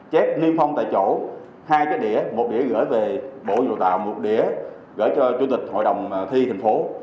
chép niêm phong tại chỗ hai cái đĩa một đĩa gửi về bộ giáo dục và đào tạo một đĩa gửi cho chủ tịch hội đồng thi thành phố